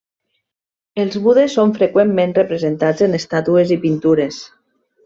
Els budes són freqüentment representats en estàtues i pintures.